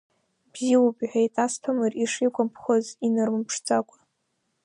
Бзиоуп, — иҳәеит Асҭамыр, ишигәамԥхоз инымырԥшӡакәа…